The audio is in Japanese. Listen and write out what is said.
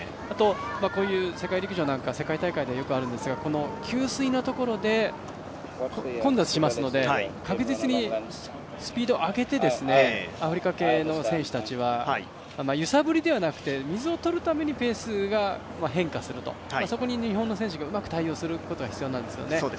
こういう世界陸上世界大会でよくあるんですが給水のところで混雑しますので確実にスピードを上げてアフリカ系の選手たちは揺さぶりではなくて水をとるためにペースが変化するとそこに日本の選手がうまく対応することが必要なんですけど。